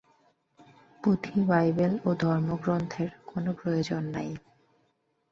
পুঁথি, বাইবেল ও ধর্মগ্রন্থের কোন প্রয়োজন নাই।